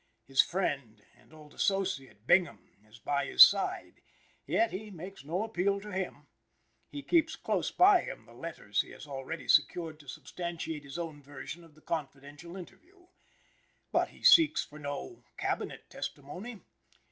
His friend and old associate, Bingham, is by his side, yet he makes no appeal to him. He keeps close by him the letters he has already secured to substantiate his own version of the confidential interview. But he seeks for no Cabinet testimony.